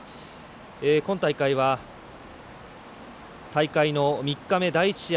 今大会は、大会の３日目第１試合